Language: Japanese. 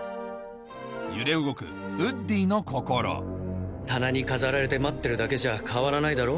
揺れ動くウッディの心棚に飾られて待ってるだけじゃ変わらないだろ？